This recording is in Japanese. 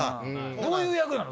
どういう役なの？